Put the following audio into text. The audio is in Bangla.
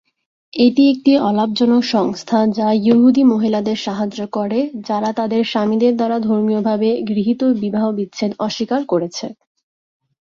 এটি একটি অলাভজনক সংস্থা, যা ইহুদি মহিলাদের সহায়তা করে, যারা তাদের স্বামীদের দ্বারা ধর্মীয়ভাবে গৃহীত বিবাহ বিচ্ছেদ অস্বীকার করেছে।